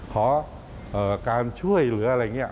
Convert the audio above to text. ขอการช่วยเหลืออะไรอย่างนี้